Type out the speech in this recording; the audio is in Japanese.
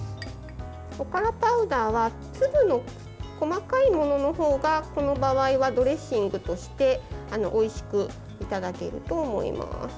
おからパウダーは粒の細かいものの方がこの場合はドレッシングとしておいしくいただけると思います。